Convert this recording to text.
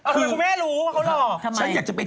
ทำไมคุณแม่รู้ว่าเขาหล่อ